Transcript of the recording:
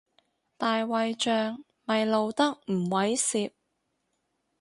大衛像咪露得唔猥褻